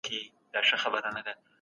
د غلا جرم د ټولنې امنيت خرابوي.